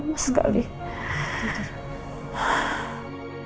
mama pasti kondisi mama jadi kayak gini